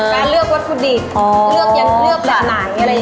การเลือกวัตถุดิบเลือกอย่างคือเลือกให้ไหน